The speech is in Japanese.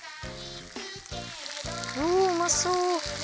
うわうまそう。